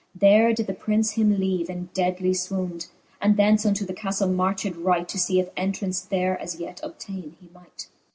There did the Prince him leave in deadly fwound, And thence unto the caftle marched right, To fee if entrance there as yet obtaine he might.